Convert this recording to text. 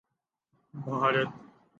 Bharat